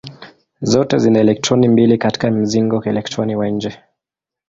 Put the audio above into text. Zote zina elektroni mbili katika mzingo elektroni wa nje.